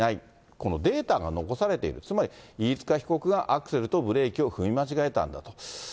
このデータが残されている、つまり、飯塚被告がアクセルとブレーキを踏み間違えたんだと。